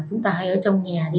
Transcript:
chúng ta hãy ở trong nhà đi